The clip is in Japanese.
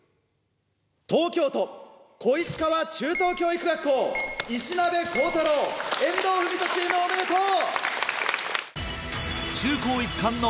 東京都小石川中等教育学校石鍋航太郎・遠藤文人チームおめでとう！